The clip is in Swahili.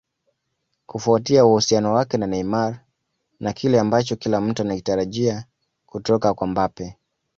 Kufuatia uhusiano wake na Neymar na kile ambacho kila mtu anakitarajia kutoka kwa Mbappe